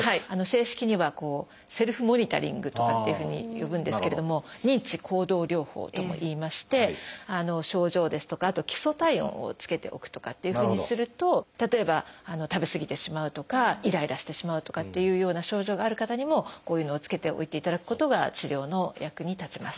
正式には「セルフモニタリング」とかっていうふうに呼ぶんですけれども「認知行動療法」ともいいまして症状ですとかあと基礎体温をつけておくとかというふうにすると例えば食べ過ぎてしまうとかイライラしてしまうとかっていうような症状がある方にもこういうのをつけておいていただくことが治療の役に立ちます。